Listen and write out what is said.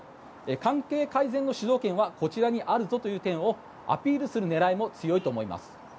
関係改善の主導権はこちらにあるぞという点もアピールする狙いも強いと思います。